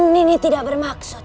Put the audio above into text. nini tidak bermaksud